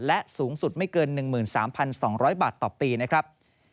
และสูงสุดไม่เกิน๑๓๒๐๐บาทต่อปีนะครับ